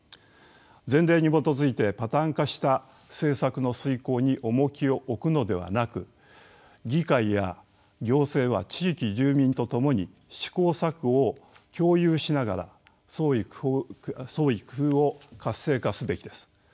前例に基づいてパターン化した政策の遂行に重きを置くのではなく議会や行政は地域住民とともに試行錯誤を共有しながら創意工夫を活性化すべきです。